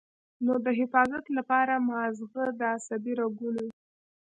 نو د حفاظت له پاره مازغۀ د عصبي رګونو